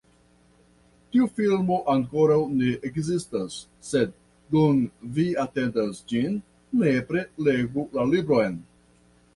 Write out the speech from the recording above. Tiu filmo ankoraŭ ne ekzistas, sed dum vi atendas ĝin, nepre legu la libron!